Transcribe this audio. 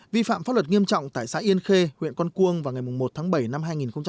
vi phạm pháp luật nghiêm trọng tại xã yên khê huyện con cuông vào ngày một tháng bảy năm hai nghìn hai mươi